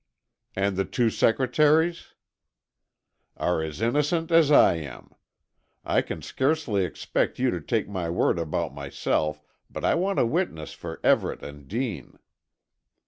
"And the two secretaries?" "Are as innocent as I am. I can scarcely expect you to take my word about myself, but I want to witness for Everett and Dean.